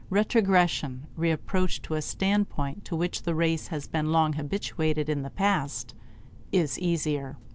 Retrogression, reapproach to a standpoint to which the race has been long habituated in the past, is easier.